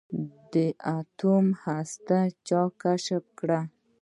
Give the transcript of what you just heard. د اتوم هسته چا کشف کړه.